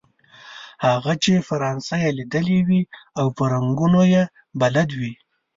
هغه چې فرانسه یې ليدلې وي او په رنګونو يې بلد وي.